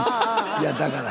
いやだから！